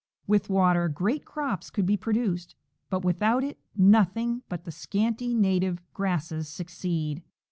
With water, great crops could be produced, but without it nothing but the scanty native grasses succeed.